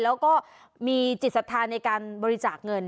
และก็มีจิตศัพท์ธานในการบริษัทเงิน